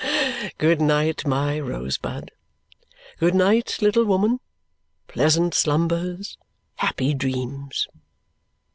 Good night, my rosebud. Good night, little woman. Pleasant slumbers! Happy dreams!"